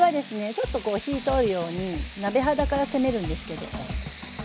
ちょっとこう火通るように鍋肌から攻めるんですけどはい。